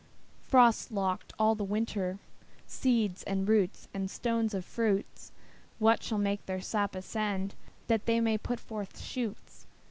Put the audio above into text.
Frost locked all the winter, Seeds, and roots, and stones of fruits, What shall make their sap ascend That they may put forth shoots?